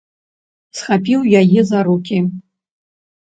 Схапіў яе за рукі.